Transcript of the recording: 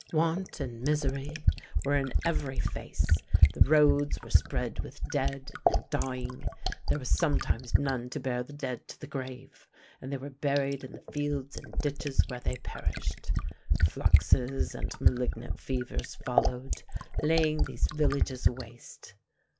Want and misery were in every face, the roads were spread with dead and dying, there was sometimes none to bear the dead to the grave, and they were buried in the fields and ditches where they perished. Fluxes and malignant fevers followed, laying these villages waste.